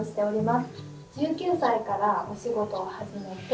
１９歳からお仕事を始めて。